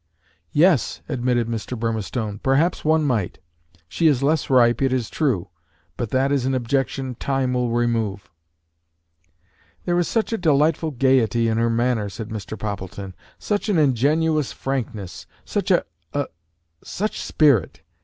"Yes," admitted Mr. Burmistone; "perhaps one might. She is less ripe, it is true; but that is an objection time will remove." "There is such a delightful gayety in her manner!" said Mr. Poppleton; "such an ingenuous frankness! such a a such spirit!